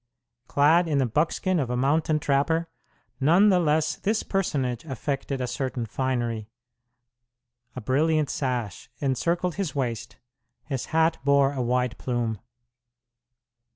Clad in the buckskin of a mountain trapper, none the less this personage affected a certain finery. A brilliant sash encircled his waist, his hat bore a wide plume.